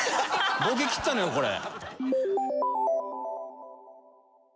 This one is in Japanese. ボケきったのよこれ。